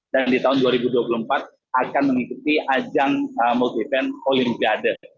dan di tahun dua ribu dua puluh empat akan mengikuti ajang multi event all in the garden